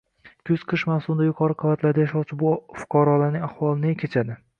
Kuz-qish mavsumida yuqori qavatlarda yashovchi bu fuqarolarning ahvoli ne kechadi?